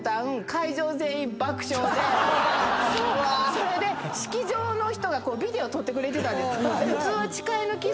それで式場の人がビデオ撮ってくれてたんです。